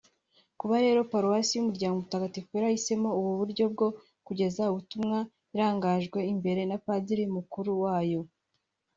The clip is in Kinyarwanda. Kuba rero Paruwasi y’Umuryango Mutafatifu yarahisemo ubu buryo bwo kogeza ubutumwa irangajwe imbere na Padiri Mukuru wayo